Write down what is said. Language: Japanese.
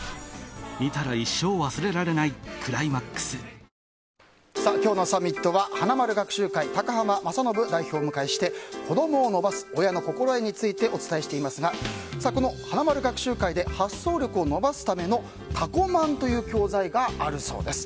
この発想力を伸ばすため今日のサミットは花まる学習会、高濱正伸代表をお迎えして子供を伸ばす親の心得についてお伝えしていますがこの花まる学習会で発想力を伸ばすための「たこマン」という教材があるそうです。